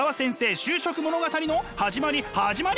就職物語の始まり始まり！